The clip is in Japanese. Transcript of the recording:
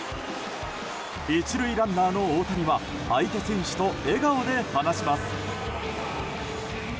１塁ランナーの大谷は相手選手と笑顔で話します。